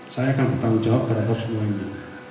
saya akan bertanggung jawab terhadap semuanya